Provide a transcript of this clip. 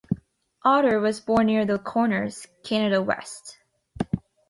Otter was born near The Corners, Canada West.